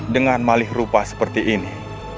dengan malih rupa seperti ini